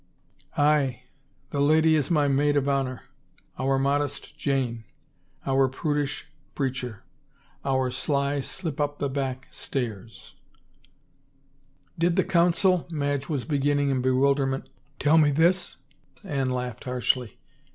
" Aye. The lady is my maid of honor. Our modest Jane; our prudish preacher. Our sly Slip up the Back Stairs !" 324 A BLOW IN THE DARK " Did the council —" Madge was beginning in bewil derment. *'Tell me this?'* Anne laughed harshly.